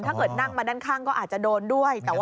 ถ้าเกิดนั่งมาด้านข้างก็อาจจะโดนด้วย